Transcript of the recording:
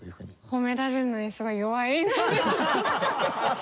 褒められるのにすごい弱いので。